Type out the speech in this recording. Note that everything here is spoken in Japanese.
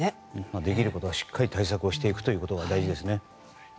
できることはしっかり対策をすることが大事ですね。